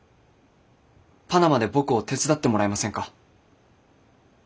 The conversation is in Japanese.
パナマで僕を手伝ってもらえませんか。